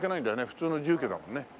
普通の住居だもんね。